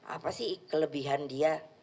apa sih kelebihan dia